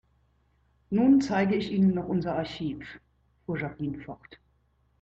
Nun zeige ich Ihnen noch unser Archiv, fuhr Jacqueline fort.